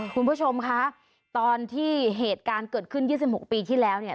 คุณผู้ชมคะตอนที่เหตุการณ์เกิดขึ้น๒๖ปีที่แล้วเนี่ย